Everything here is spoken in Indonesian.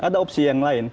ada opsi yang lain